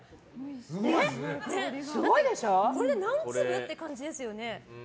これで何粒？って感じですよね。